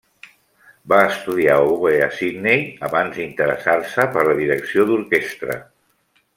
Va estudiar oboè a Sydney abans d'interessar-se per la direcció d'orquestra.